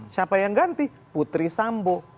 siapa yang ganti putri sambo